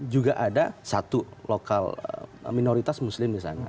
juga ada satu lokal minoritas muslim di sana